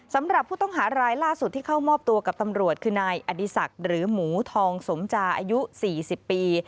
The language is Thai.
สำหรับผู้ต้องหารายล่าสุดที่เข้ามอบตัวกับตำรวจคือนายอดีศักดิ์หรือหมูทองสมจาอายุ๔๐ปี